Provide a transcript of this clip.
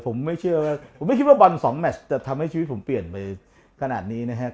ผมไม่เชื่อว่าผมไม่คิดว่าบอลสองแมชจะทำให้ชีวิตผมเปลี่ยนไปขนาดนี้นะครับ